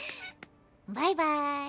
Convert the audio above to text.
バイバーイ。